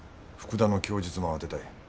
福田の供述も当てたい。